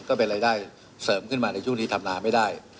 ก็เป็นรายได้เสริมขึ้นมาในช่วงนี้ทำนาไม่ได้